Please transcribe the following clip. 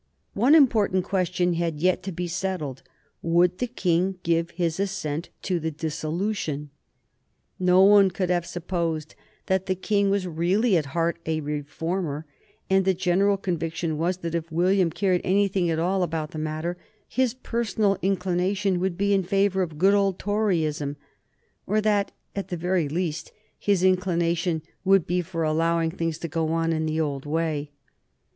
One important question had yet to be settled. Would the King give his assent to the dissolution? No one could have supposed that the King was really at heart a reformer, and the general conviction was that if William cared anything at all about the matter his personal inclination would be in favor of good old Toryism, or that, at the very least, his inclination would be for allowing things to go on in the old way.